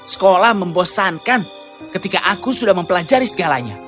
sekolah membosankan ketika aku sudah mempelajari segalanya